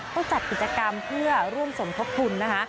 ต้องจัดกิจกรรมเพื่อร่วมสมทบคุณนะฮะ